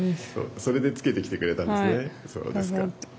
それでつけてきてくれたんですか。